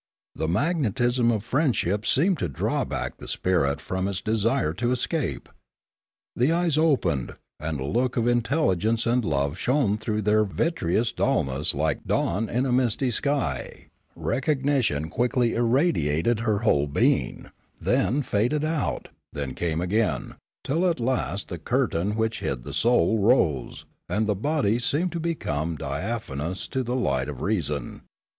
The mag netism of friendship seemed to draw back the spirit from its desire to escape. The eyes opened, and a look of intelligence and love shone through their vit reous dulness like dawn in a misty sky; recognition quickly irradiated her whole being, then faded out, then came again, till at last the curtain which hid the soul rose, and the very body seemed to become dia phanous to the light of reason.